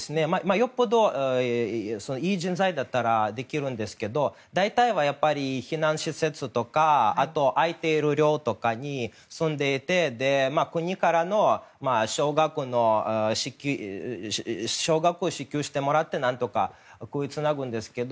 よっぽど、いい人材だったらできるんですけど大体は避難施設とか開いている寮とかに住んでいて国から少額支給してもらって何とか食いつなぐんですけど。